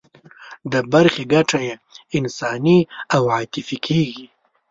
د برخې ګټه یې انساني او عاطفي کېږي.